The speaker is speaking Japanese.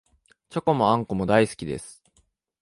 チョコもあんこも大好きです